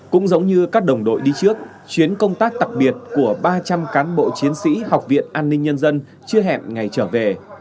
cũng giống như các đồng đội đi trước chuyến công tác đặc biệt của ba trăm linh cán bộ chiến sĩ học viện an ninh nhân dân chưa hẹn ngày trở về